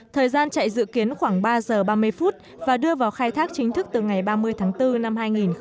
thời gian chạy dự kiến khoảng ba giờ ba mươi phút và đưa vào khai thác chính thức từ ngày ba mươi tháng bốn năm hai nghìn hai mươi